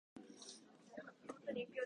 文章が自在で非常に巧妙なこと。